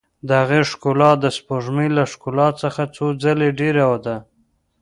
د هغې ښکلا د سپوږمۍ له ښکلا څخه څو ځلې ډېره ده.